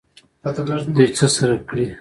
دوی سره څه کړي؟